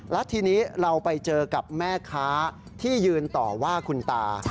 และทีนี้เราไปเจอกับแม่ค้าที่ยืนต่อว่าคุณตา